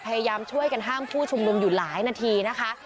พยายามช่วยกันห้ามผู้ชุมนุมอยู่หลายนาทีนะคะ